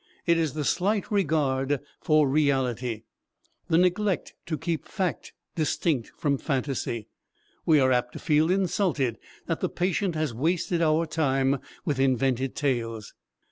It is the slight regard for reality, the neglect to keep fact distinct from phantasy. We are apt to feel insulted that the patient has wasted our time with invented tales.